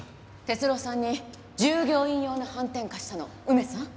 哲郎さんに従業員用のはんてん貸したの梅さん？